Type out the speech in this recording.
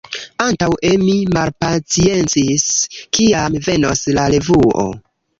Antaŭe mi malpaciencis kiam venos la revuo.